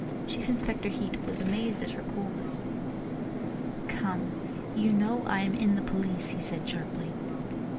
Chief Inspector Heat was amazed at her coolness. "Come! You know I am in the police," he said sharply.